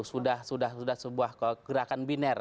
sudah sebuah gerakan binar